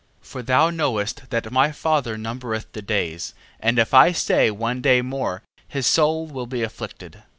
9:4. For thou knowest that my father numbereth the days: and if I stay one day more, his soul will be afflicted.